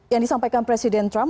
yang disampaikan presiden trump